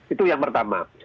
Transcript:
itu yang pertama